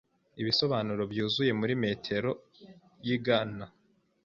ibisobanuro byuzuye muri Metero yigana